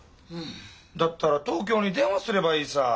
だったら東京に電話すればいいさぁ。